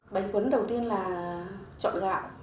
bánh cuốn đầu tiên là chọn gạo